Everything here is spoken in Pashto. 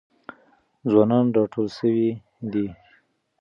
ځوانان راټول سوي دي.